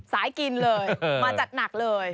กินเลยมาจัดหนักเลย